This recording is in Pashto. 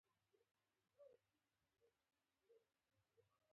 له چا نه شرمېدل نه.